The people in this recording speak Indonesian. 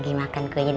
mama gak alam